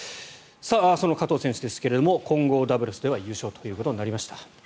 その加藤選手ですが混合ダブルスでは優勝ということになりました。